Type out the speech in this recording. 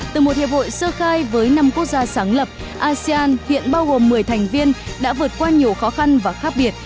từ một hiệp hội sơ khai với năm quốc gia sáng lập asean hiện bao gồm một mươi thành viên đã vượt qua nhiều khó khăn và khác biệt